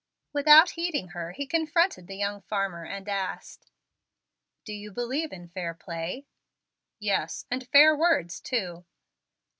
Without heeding her he confronted the young farmer and asked, "Do you believe in fair play?" "Yes, and fair words, too."